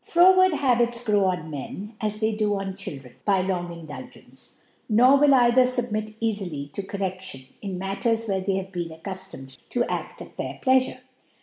Froward Habits grow on Men, as they do oh ChiWreni by tong Indulgence ; nor will ciftlher fubmit eiffly to Corrcdlion in Matters where they have been accuftomed to aft at' their Plicafure.